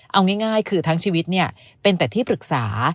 เอาง่ายคือทั้งชีวิตเป็นแต่ที่ปรึกษา